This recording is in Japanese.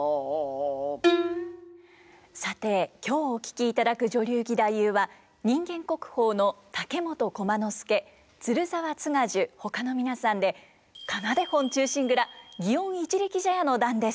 さて今日お聴きいただく女流義太夫は人間国宝の竹本駒之助鶴澤津賀寿ほかの皆さんで「仮名手本忠臣蔵園一力茶屋の段」です。